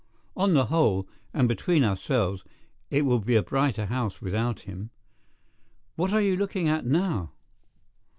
On the whole, and between ourselves, it will be a brighter house without him. What are you looking at now?"